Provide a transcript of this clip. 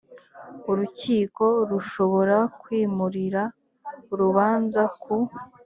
urukiko rushobora kwimurira urubanza ku